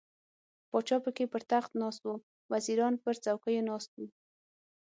پاچا پکې پر تخت ناست و، وزیران پر څوکیو ناست وو.